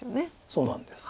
そうなんです。